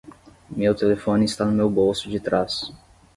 Meu telefone está no meu bolso de trás.